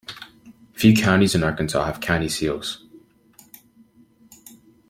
Few counties in Arkansas have county seals.